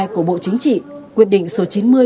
của bộ chính trị quyết định số chín mươi